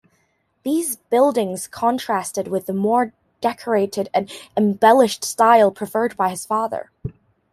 These buildings contrasted with the more decorated and embellished style preferred by his father.